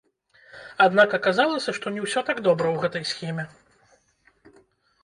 Аднак аказалася, што не ўсё так добра ў гэтай схеме.